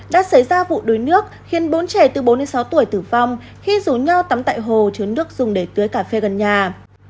đã xảy ra vụ đuối nước khiến bốn trẻ từ bốn đến sáu tuổi tử vong khi rủ nhau tắm tại hồ chứa nước dùng để tưới cà phê gần nhà